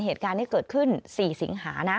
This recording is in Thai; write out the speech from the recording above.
เหตุการณ์นี้เกิดขึ้น๔สิงหานะ